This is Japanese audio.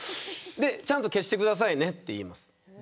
ちゃんと消してくださいねと言います。